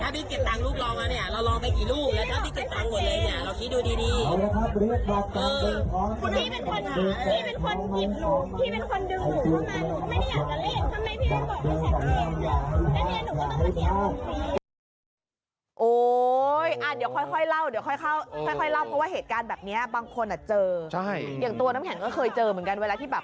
พี่เป็นคนหยิบลูกพี่เป็นคนดึงหนูเข้ามา